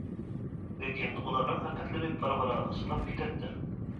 لېكىن ئۇلارنىڭ ھەرىكەتلىرى بارا-بارا ئاستىلاپ كېتەتتى.